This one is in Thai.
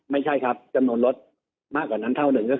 แล้วเราก็ต้องอธิบายให้ฟังว่ามันมีส่วนประกอบอะไรอีก